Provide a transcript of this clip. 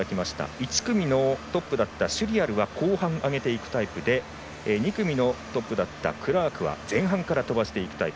１組のトップだったシュリアルは後半、上げていくタイプで２組のトップ、クラークは前半から飛ばしていくタイプ。